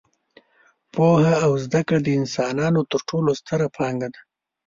پوهه او زده کړه د انسانانو تر ټولو ستره پانګه ده.